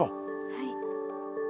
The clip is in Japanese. はい。